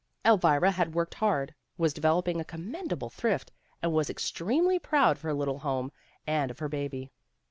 Elvira worked hard, was developing a commendable thrift, and was ex tremely proud of her little home and of her baby.